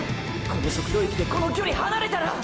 この速度域でこの距離離れたらーー！！